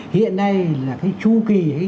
hiện nay là cái chu kỳ